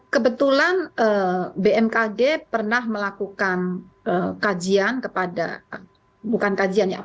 kebetulan bmkg pernah melakukan kajian kepada bukan kajian ya